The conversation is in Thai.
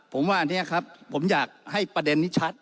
ผมว่าผมอยากให้ประเด็นนี้ชัด